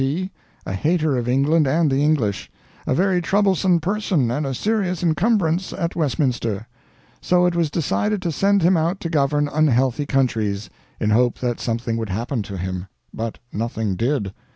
P., a hater of England and the English, a very troublesome person and a serious incumbrance at Westminster; so it was decided to send him out to govern unhealthy countries, in hope that something would happen to him. But nothing did.